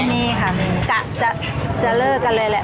มีค่ะมีกะจะเลิกกันเลยแหละ